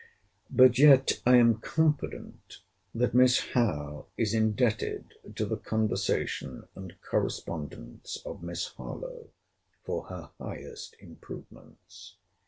] But yet I am confident, that Miss Howe is indebted to the conversation and correspondence of Miss Harlowe for her highest improvements.